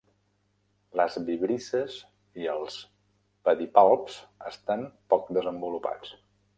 Les vibrisses i els pedipalps estan poc desenvolupats.